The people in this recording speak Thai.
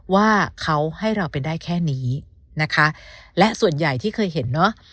ว่าเขาให้เราเป็นได้แค่นี้นะคะและส่วนใหญ่ที่เคยเห็นเนอะ